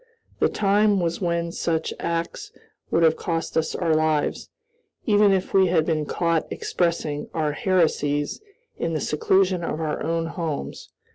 The time was when such acts would have cost us our lives, even if we had been caught expressing our heresies in the seclusion of our own homes.